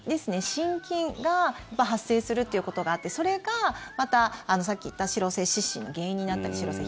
真菌が発生するということがあってそれがまた、さっき言った脂漏性湿疹の原因になったりします。